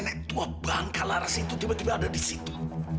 nenek tua bahan kalaras itu tiba tiba ada disitu